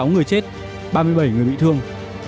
năm mươi sáu người chết ba mươi bảy người bị thương